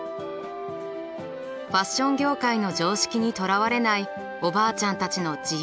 ファッション業界の常識にとらわれないおばあちゃんたちの自由な発想。